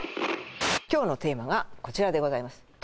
今日のテーマがこちらでございます